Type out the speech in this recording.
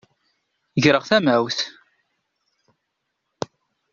Greɣ tamawt.